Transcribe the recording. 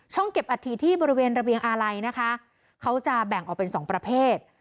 เก็บอัฐิที่บริเวณระเบียงอาลัยนะคะเขาจะแบ่งออกเป็นสองประเภท